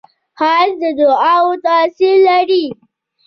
ښایست د دعاوو تاثیر لري